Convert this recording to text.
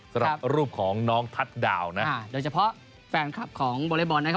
สำหรับรูปของน้องทัศน์ดาวนะโดยเฉพาะแฟนคลับของวอเล็กบอลนะครับ